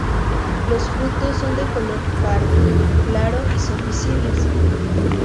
Los frutos son de color pardo claro y son visibles.